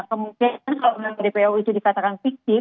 kemungkinan kalau dpo itu dikatakan